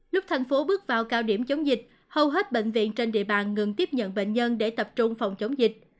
lúc thành phố bước vào cao điểm chống dịch hầu hết bệnh viện trên địa bàn ngừng tiếp nhận bệnh nhân để tập trung phòng chống dịch